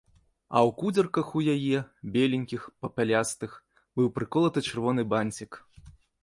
А ў кудзерках у яе, беленькіх, папялястых, быў прыколаты чырвоны банцік.